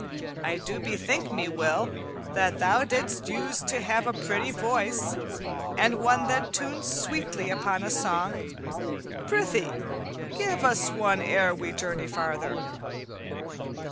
I do bethink me, Will, that thou didst use to have a pretty voice, and one that tuned sweetly upon a song. Prythee, give us one ere we journey farther."